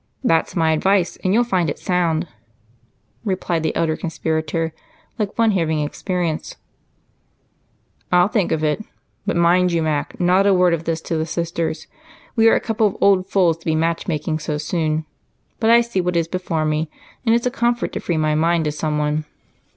That's my advice, and you'll find it sound," replied the elder conspirator, like one having experience. "I'll think of it, but mind you, Mac, not a word of this to the sisters. We are a couple of old fools to be matchmaking so soon but I see what is before me and it's a comfort to free my mind to someone."